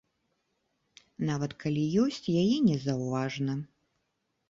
Нават калі ёсць, яе не заўважна.